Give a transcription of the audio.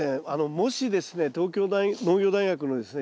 もしですね東京農業大学のですね